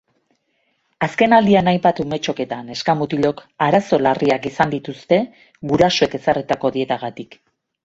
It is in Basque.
Azkenaldian hainbat umetxok eta neska-mutilok arazo larriak izan dituzte gurasoek ezarritako dietagatik.